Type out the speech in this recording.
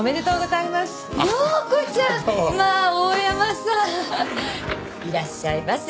いらっしゃいませ。